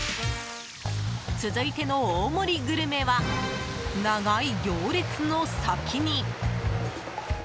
続いての大盛りグルメは長い行列の先に。